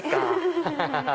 ハハハハ！